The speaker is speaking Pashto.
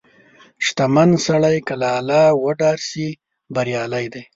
• شتمن سړی که له الله وډار شي، بریالی دی.